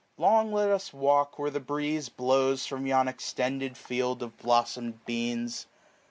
Long let us walk, 495 Where the breeze blows from yon extended field Of blossom'd beans.